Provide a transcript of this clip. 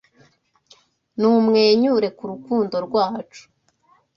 Numwenyure ku rukundo rwacu